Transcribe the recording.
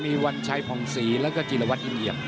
มีวันชัยพองศรีแล้วก็จิลวัฒน์อินเหยียบ